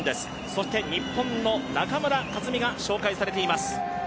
そして日本の中村克が紹介されています。